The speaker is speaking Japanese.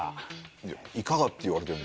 いやいかがって言われても。